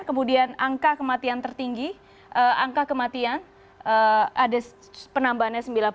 kemudian angka kematian tertinggi angka kematian ada penambahannya sembilan puluh